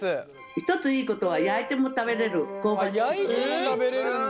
一ついいことは焼いても食べれるんだ。